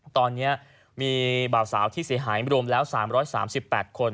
ตอนนี้มีบ่าวสาวที่เสียหายรวมแล้ว๓๓๘คน